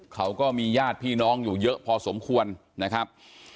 เขาก็มีญาติพี่น้องอยู่เยอะพอสมควรนะครับ